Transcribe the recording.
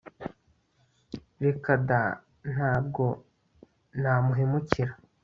reka da Ntabwo namuhemukira »